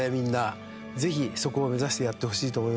ぜひそこを目指してやってほしいと思いますし。